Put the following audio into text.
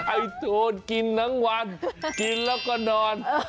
ไอโฟนกินทั้งวันกินแล้วก็นอน